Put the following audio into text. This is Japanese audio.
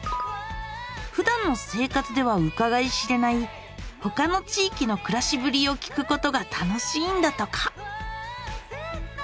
ふだんの生活ではうかがい知れない他の地域のくらしぶりを聞くことが楽しいんだとか。